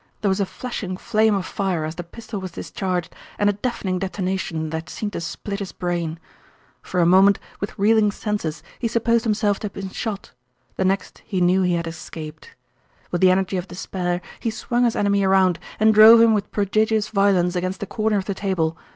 There was a flashing flame of fire as the pistol was discharged and a deafening detonation that seemed to split his brain. For a moment, with reeling senses, he supposed himself to have been shot, the next he knew he had escaped. With the energy of despair he swung his enemy around and drove him with prodigious violence against the corner of the table.